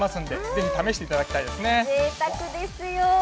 ぜいたくですよ。